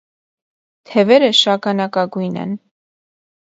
Թևերը շագանակագույն են։